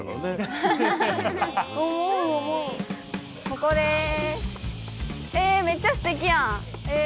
ここです。